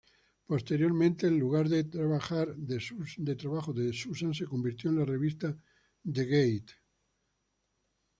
Posteriormente, el lugar de trabajo de Susan se convirtió en la revista "The Gate".